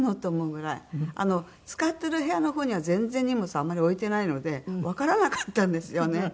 使ってる部屋の方には全然荷物あんまり置いてないのでわからなかったんですよね。